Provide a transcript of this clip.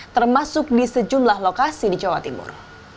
termasuk di sejumlah lokasi di jawa timur